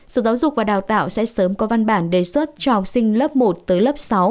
sở giáo dục và đào tạo sẽ sớm có văn bản đề xuất cho học sinh lớp một tới lớp sáu